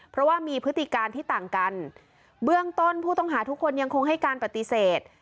เพราะว่ามีพฤติการที่ต่างกันเบื้องต้นผู้ต้องหาทุกคนยังคงให้การปฏิเสธ